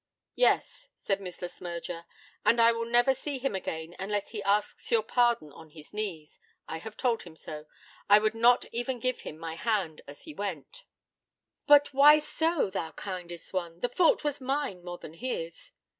'Yes,' said Miss Le Smyrger. 'And I will never see him again unless he asks your pardon on his knees. I have told him so. I would not even give him my hand as he went.' 'But why so, thou kindest one? The fault was mine more than his.'